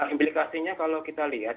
implikasinya kalau kita lihat